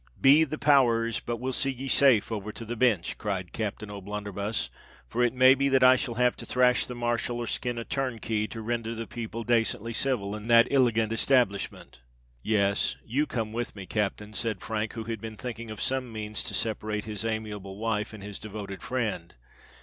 "Be the power rs! but we'll see ye safe over to the Binch," cried Captain O'Blunderbuss; "for it may be that I shall have to thrash the Marshal or skin a tur rnkey to renther the people dacently civil in that iligant istablishment." "Yes—you come with me, captain," said Frank, who had been thinking of some means to separate his amiable wife and his devoted friend.